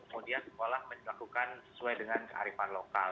kemudian sekolah melakukan sesuai dengan kearifan lokal